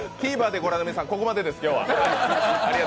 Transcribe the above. ＴＶｅｒで御覧の皆さん、ここまでです。